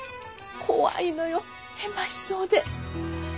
怖いのよヘマしそうで。